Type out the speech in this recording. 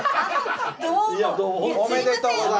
どうも。